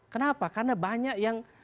kenapa karena banyak yang